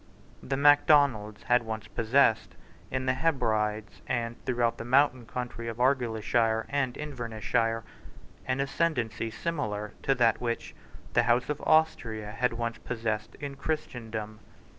The Macdonalds had once possessed, in the Hebrides and throughout the mountain country of Argyleshire and Invernessshire, an ascendancy similar to that which the House of Austria had once possessed in Christendom.